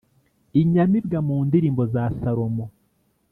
Inyamibwa mu ndirimbo za Salomo.